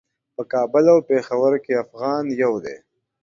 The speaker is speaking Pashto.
په کابل او پیښور کې افغان یو دی.